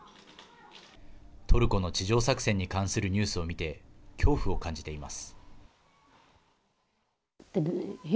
トルコの地上作戦に関するニュースを見て恐怖を感じています。